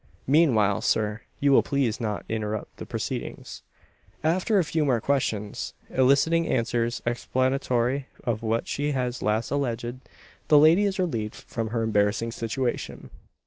Meanwhile, sir, you will please not interrupt the proceedings." After a few more questions, eliciting answers explanatory of what she has last alleged, the lady is relieved from her embarrassing situation.